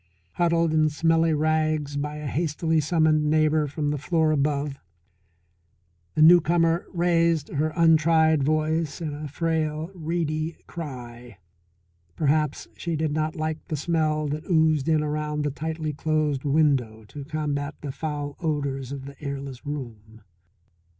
Huddled in smelly rags by a hastily summoned neighbour from the floor above, the newcomer raised her untried voice in a frail, reedy cry. Perhaps she did not like the smell that oozed in around the tightly closed window to combat the foul odours of the airless room.